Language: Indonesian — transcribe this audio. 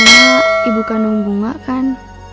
karena ibu kandung bunga kan